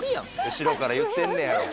後ろから言ってんねやろ。